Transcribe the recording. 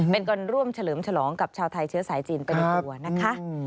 เป็นการร่วมเฉลิมฉลองกับชาวไทยเชื้อสายจีนไปในตัวนะคะ